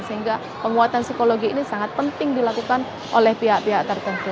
sehingga penguatan psikologi ini sangat penting dilakukan oleh pihak pihak tertentu